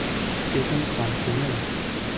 It isn’t one to me.